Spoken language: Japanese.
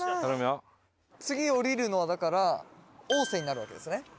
次降りるのはだから大瀬になるわけですね。